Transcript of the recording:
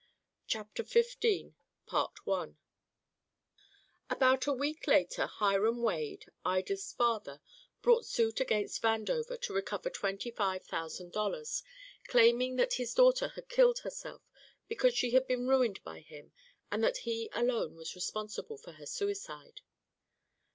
Chapter Fifteen About a week later Hiram Wade, Ida's father, brought suit against Vandover to recover twenty five thousand dollars, claiming that his daughter had killed herself because she had been ruined by him and that he alone was responsible for her suicide.